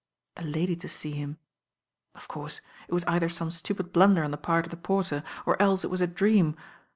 A lady to see him. Of course, it was either some stupid blunder on the part of the porter, or else it was a dream.